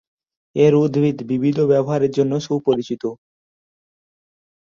এই উদ্ভিদ বিবিধ ব্যবহারের জন্য সুপরিচিত।